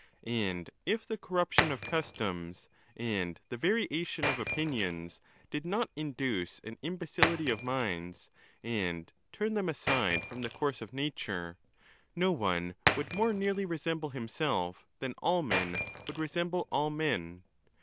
And if the cor ruption of customs, and the variation of opinions, did not induce an imbecility of minds, and turn them aside from the course of nature, no one would more nearly resemble himself than all men would resemble all men.